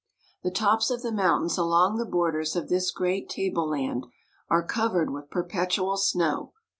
The tops of the mountains along the borders of this great tableland are covered with perpetual snow.